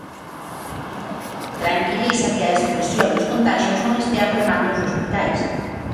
Tranquiliza que a explosión dos contaxios non estea apremando os hospitais.